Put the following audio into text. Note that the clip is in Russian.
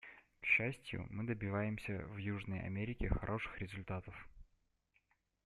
К счастью, мы добиваемся в Южной Америке хороших результатов.